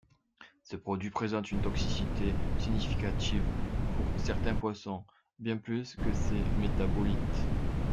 Ce produit présente une toxicité significative pour certains poissons, bien plus que ses métabolites.